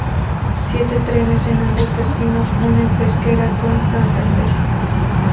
Siete trenes en ambos destinos unen Pesquera con Santander.